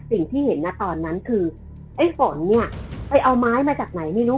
สิ่งที่เห็นนะตอนนั้นคือไอ้ฝนเนี่ยไปเอาไม้มาจากไหนไม่รู้